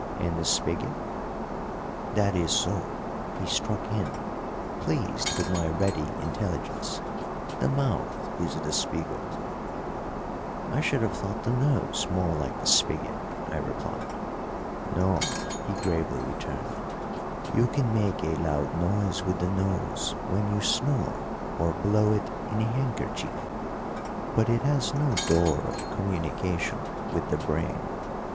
"And the spigot " "That is so," he struck in, pleased with my ready intelligence; "the mouth is the spigot." "I should have thought the nose more like the spigot," I replied. "No," he gravely returned. "You can make a loud noise with the nose when you snore or blow it in a handkerchief; but it has no door of communication with the brain.